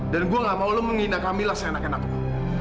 dan gue gak mau lo menghina kamila seenak enak lo